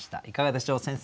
いかがでしょう？